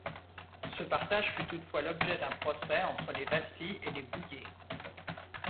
Ce partage fut toutefois l'objet d'un procès entre les Vassy et les Bouillé.